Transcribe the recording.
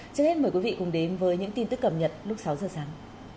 trước hết mời quý vị cùng đến với những tin tức cập nhật lúc sáu giờ sáng